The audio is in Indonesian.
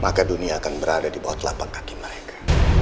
maka dunia akan berada di bawah telapak kaki mereka